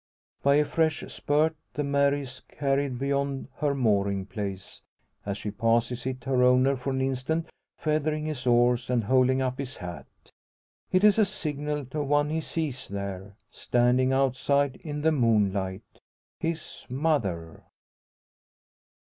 By a fresh spurt the Mary is carried beyond her mooring place; as she passes it her owner for an instant feathering his oars and holding up his hat. It is a signal to one he sees there, standing outside in the moonlight his mother.